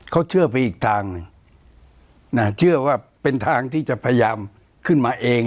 เขาเชื่อไปอีกทางหนึ่งนะเชื่อว่าเป็นทางที่จะพยายามขึ้นมาเอง